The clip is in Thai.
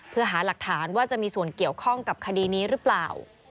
เพื่อหาหลักฐานว่าจะมีส่วนเกี่ยวข้องกับคดีนี้หรือเปล่า